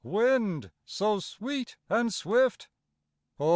wind so sweet and swift, O!